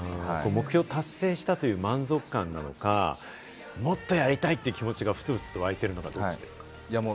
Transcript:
目標を達成したという満足感なのか、もっとやりたいという気持ちがふつふつと湧いているのか、どっちですか？